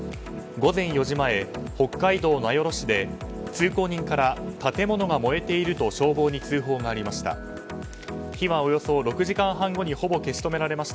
午前４時前、北海道名寄市で通行人から建物が燃えていると消防に通報がありました。